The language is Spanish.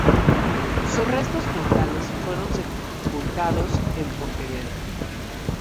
Sus restos mortales fueron sepultados en Pontevedra.